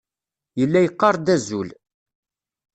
Yella yeqqar-d azul.